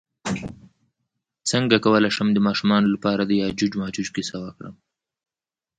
څنګه کولی شم د ماشومانو لپاره د یاجوج ماجوج کیسه وکړم